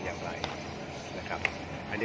ถ้าไม่ได้ขออนุญาตมันคือจะมีโทษ